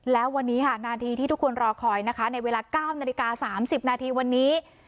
แล้ววันนี้ค่ะนาทีที่ทุกคนรอคอยนะคะในเวลา๙นาฬิกา๓๐นาทีวันนี้